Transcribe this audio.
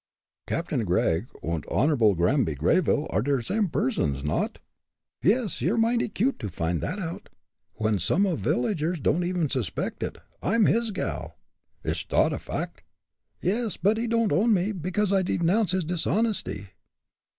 "Captain Gregg und Honorable Granby Greyville are der same persons, not?" "Yes. You're mighty cute to find that out, when some o' the villagers don't even suspect it. I'm his gal." "Ish dot a fact?" "Yes, but he don't own me, because I denounce his dishonesty.